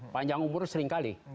panjang umur seringkali